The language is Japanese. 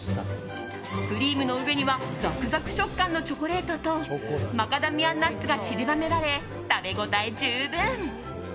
クリームの上にはザクザク食感のチョコレートとマカダミアンナッツがちりばめられ食べ応え十分。